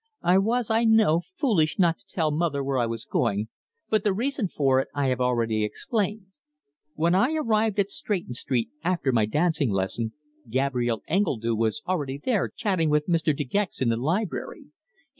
I was, I know, foolish not to tell mother where I was going, but the reason for it I have already explained. When I arrived at Stretton Street, after my dancing lesson, Gabrielle Engledue was already there chatting with Mr. De Gex in the library.